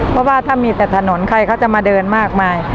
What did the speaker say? เพราะว่าถ้ามีแต่ถนนใครเขาจะมาเดินมากมาย